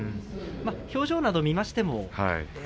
表情などを見ましても。